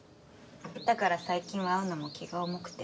だから最近は会うのも気が重くて。